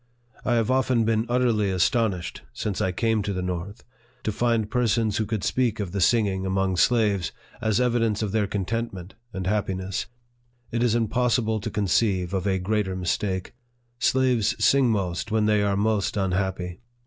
I have often been utterly astonished, since I came to the north, to find persons who could speak ef the sing' LIFE OF FREDERICK DOUGLASS. 15 ing, among slaves, as evidence of their contentment and happiness. It is impossible to conceive of a great er mistake. Slaves sing most when they are most un happy.